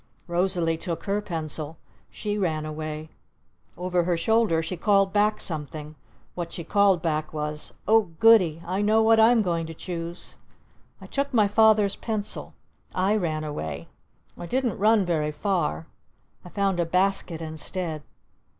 Rosalee took her pencil. She ran away. Over her shoulder she called back something. What she called back was "Oh Goody! I know what I'm going to choose!" I took my Father's pencil. I ran away. I didn't run very far. I found a basket instead.